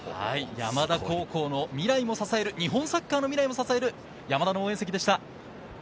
山田高校の未来も支える、日本サッカーの未来も支える山田の応援席でした。